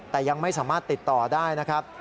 แต่ยังไม่สามารถติดต่อได้นะครับ